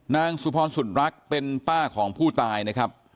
นางสุพรสุนรักเป็นป้าของผู้ตายนะครับ